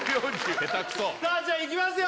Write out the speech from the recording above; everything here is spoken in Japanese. ヘタクソさあじゃあいきますよ